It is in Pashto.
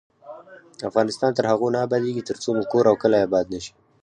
افغانستان تر هغو نه ابادیږي، ترڅو مو کور او کلی اباد نشي.